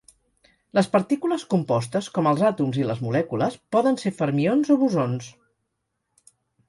Les partícules compostes, com els àtoms i les molècules, poden ser fermions o bosons.